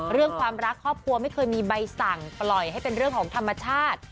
เรื่องความรักครอบครัวไม่เคยมีใบสั่งปล่อยให้เป็นเรื่องของธรรมชาติ